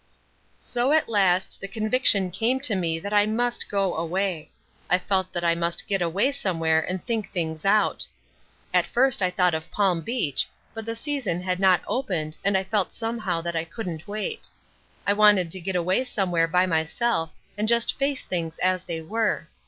So at last the conviction came to me that I must go away. I felt that I must get away somewhere and think things out. At first I thought of Palm Beach, but the season had not opened and I felt somehow that I couldn't wait. I wanted to get away somewhere by myself and just face things as they were.